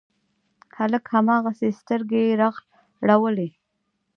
هلک هماغسې سترګې رغړولې.